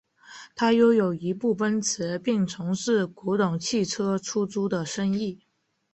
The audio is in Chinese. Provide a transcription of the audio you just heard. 他拥有一部奔驰并从事古董汽车出租的生意。